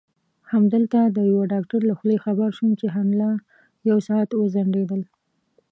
همدلته د یوه ډاکټر له خولې خبر شوم چې حمله یو ساعت وځنډېدل.